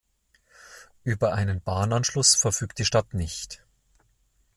Über einen Bahnanschluss verfügt die Stadt nicht.